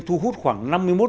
thu hút khoảng năm mươi một